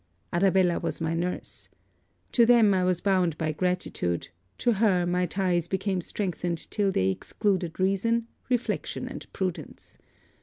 Arabella was my nurse. To them I was bound by gratitude to her my ties became strengthened till they excluded reason, reflection, and prudence.